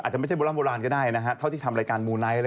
อาจจะไม่ใช่โบราณก็ได้นะฮะ